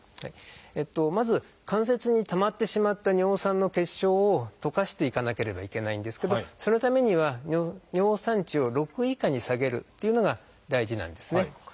まず関節にたまってしまった尿酸の結晶を溶かしていかなければいけないんですけどそのためには尿酸値を６以下に下げるっていうのが大事なんですね。